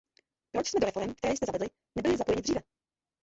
Proč jsme do reforem, které jste zavedli, nebyli zapojeni dříve?